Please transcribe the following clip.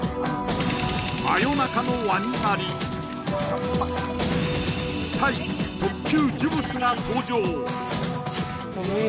真夜中のワニ狩りタイ特級呪物が登場え